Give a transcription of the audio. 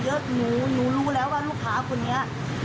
พูดกวนพูดแห่พูดจนเติมน้องอารมณ์ขึ้นเรื่อย